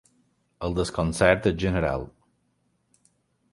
El desconcert és general.